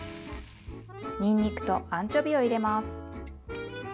にんにくとアンチョビを入れます。